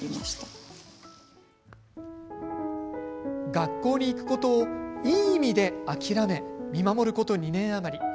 学校に行くことを、いい意味で諦め、見守ること２年余り。